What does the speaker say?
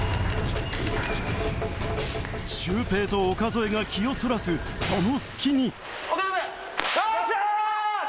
シュウペイと岡副が気をそらすその隙によっしゃ！